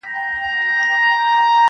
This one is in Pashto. غړومبېدلی به آسمان وي -